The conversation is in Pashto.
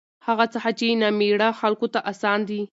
هغه څخه چې نامېړه خلکو ته اسان دي